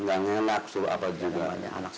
gak ngelak suruh apa juga